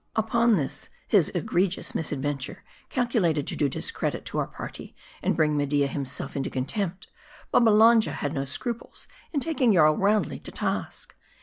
Upon this, his egregious misadventure, calculated to do discredit to our party, and bring Media himself into con tempt, Babbalanja had no scruples in taking Jarl roundly to task.